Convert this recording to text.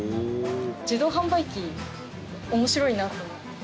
自動販売機、面白いなと思って。